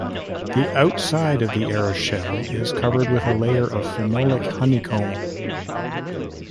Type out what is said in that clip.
The outside of the aeroshell is covered with a layer of phenolic honeycomb.